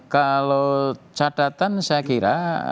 kalau catatan saya kira